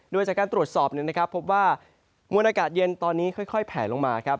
โดยจากการตรวจสอบพบว่ามวลอากาศเย็นตอนนี้ค่อยแผลลงมาครับ